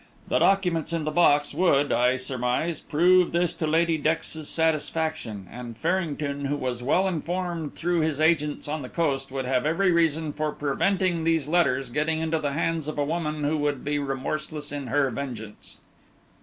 The documents in the box would, I surmise, prove this to Lady Dex's satisfaction, and Farrington, who was well informed through his agents on the Coast, would have every reason for preventing these letters getting into the hands of a woman who would be remorseless in her vengeance."